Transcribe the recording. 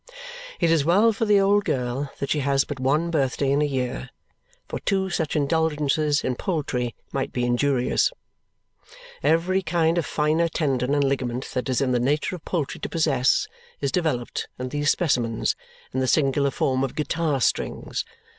It is well for the old girl that she has but one birthday in a year, for two such indulgences in poultry might be injurious. Every kind of finer tendon and ligament that is in the nature of poultry to possess is developed in these specimens in the singular form of guitar strings.